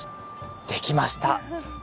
できました。